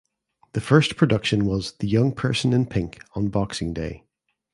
The first production was "The Young Person in Pink" on Boxing Day.